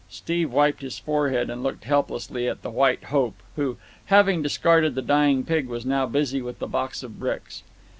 Steve wiped his forehead and looked helplessly at the White Hope, who, having discarded the dying pig, was now busy with the box of bricks.